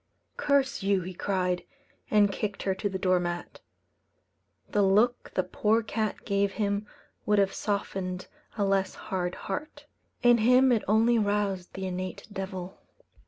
"Curse you!" he cried, and kicked her to the door mat. The look the poor cat gave him would have softened a less hard heart; in him it only roused the innate devil.